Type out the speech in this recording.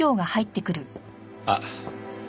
あっ。